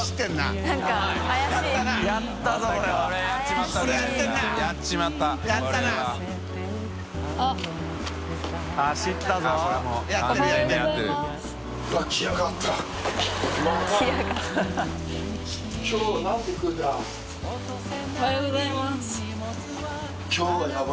松原Ｄ）おはようございます。